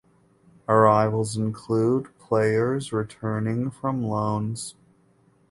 Arrivals include players returning from loans.